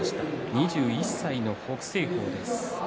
２１歳の北青鵬です。